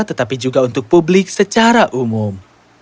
tetapi juga untuk publik secara umum